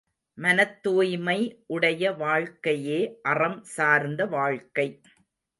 மனத்தூய்மை உடைய வாழ்க்கையே அறம் சார்ந்த வாழ்க்கை.